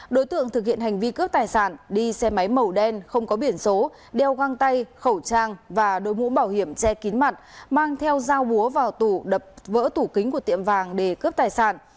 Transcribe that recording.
đối tượng thực hiện hành vi cướp tài sản đi xe máy màu đen không có biển số đeo găng tay khẩu trang và đội mũ bảo hiểm che kín mặt mang theo dao búa vào tủ đập vỡ tủ kính của tiệm vàng để cướp tài sản